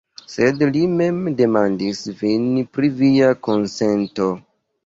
Sed li mem demandis vin pri via konsento.